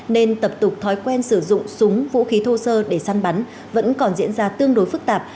nên tập tục thói quen sử dụng súng vũ khí thô sơ để săn bắn vẫn còn diễn ra tương đối phức tạp